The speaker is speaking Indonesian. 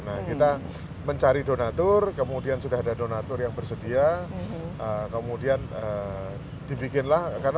hai mencari donatur kemudian sudah ada donatur yang bersedia kemudian dibikin lah karena